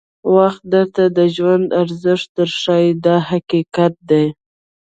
وخت درته د ژوند ارزښت در ښایي دا حقیقت دی.